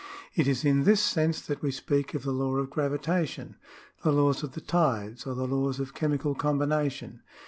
It is in this sense that we speak of the law of gravitation, the laws of the tides, or the laws of chemical combination.